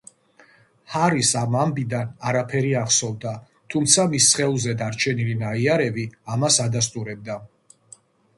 ჰარის ამ ამბიდან არაფერი ახსოვდა, თუმცა მის სხეულზე დარჩენილი ნაიარევი ამას ადასტურებდა.